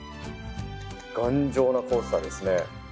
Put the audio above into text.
頑丈なコースターですね。